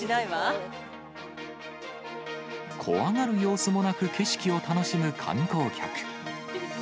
怖がる様子もなく景色を楽しむ観光客。